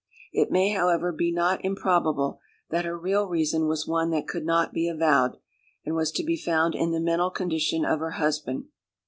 It may, however, be not improbable that her real reason was one that could not be avowed, and was to be found in the mental condition of her husband.